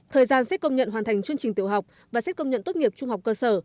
thời gian xét công nhận hoàn thành chương trình tiểu học và xét công nhận tốt nghiệp trung học cơ sở